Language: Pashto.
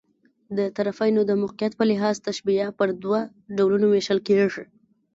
د طرفَینو د موقعیت په لحاظ، تشبیه پر دوه ډولونو وېشل کېږي.